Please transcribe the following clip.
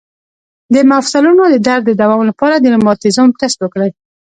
د مفصلونو د درد د دوام لپاره د روماتیزم ټسټ وکړئ